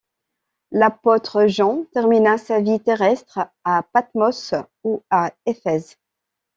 L'apôtre Jean termina sa vie terrestre à Patmos ou à Éphèse.